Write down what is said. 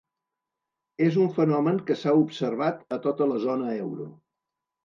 És un fenomen que s’ha observat a tota la zona euro.